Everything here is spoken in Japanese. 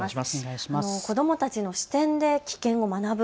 子どもたちの視点で危険を学ぶ。